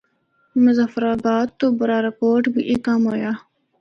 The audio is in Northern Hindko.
مظفرآباد تو برارکوٹ بھی اے کم ہویا۔